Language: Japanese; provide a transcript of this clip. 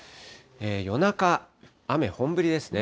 夜中、雨本降りですね。